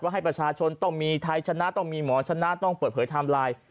ให้ประชาชนต้องมีไทยชนะต้องมีหมอชนะต้องเปิดเผยไทม์ไลน์